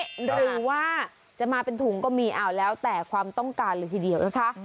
หรือว่าจะมาเป็นถุงก็มีเอาแล้วแต่ความต้องการเลยทีเดียวนะคะ